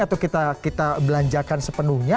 atau kita belanjakan sepenuhnya